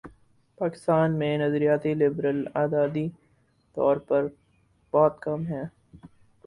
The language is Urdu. پاکستان میں نظریاتی لبرل عددی طور پر بہت کم ہیں۔